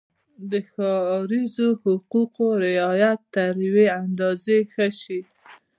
د ښاریزو حقوقو رعایت تر یوې اندازې ښه شي.